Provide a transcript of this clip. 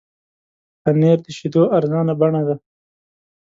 پنېر د شیدو ارزانه بڼه ده.